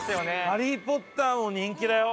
ハリー・ポッターも人気だよ。